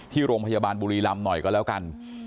ที่โรงพยาบาลบุรีรำหน่อยก็แล้วกัน